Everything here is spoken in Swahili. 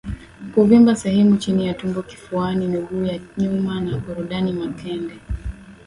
Kuvimba sehemu ya chini ya tumbo kifuani miguu ya nyuma na korodani makende